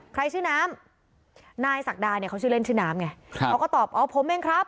ใครชื่อน้ำนายศักดาเนี่ยเขาชื่อเล่นชื่อน้ำไงเขาก็ตอบอ๋อผมเองครับ